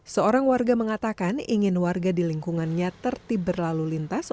seorang warga mengatakan ingin warga di lingkungannya tertib berlalu lintas